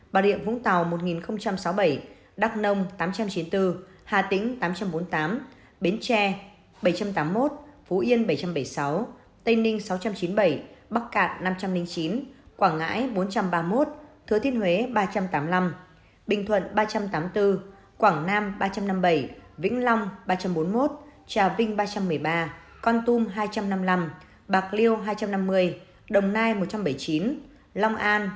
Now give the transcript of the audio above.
bà điện vũng tàu một sáu mươi bảy đắk nông tám trăm chín mươi bốn hà tĩnh tám trăm bốn mươi tám bến tre bảy trăm tám mươi một phú yên bảy trăm bảy mươi sáu tây ninh sáu trăm chín mươi bảy bắc cạt năm trăm linh chín quảng ngãi bốn trăm ba mươi một thứa thiên huế ba trăm tám mươi năm bình thuận ba trăm tám mươi bốn quảng nam ba trăm năm mươi bảy vĩnh long ba trăm bốn mươi một trà vinh ba trăm một mươi ba con tum hai trăm năm mươi năm bạc liêu hai trăm năm mươi đồng nai một trăm bảy mươi chín long an một trăm năm mươi bốn